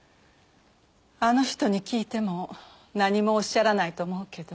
あの人に聞いても何もおっしゃらないと思うけど。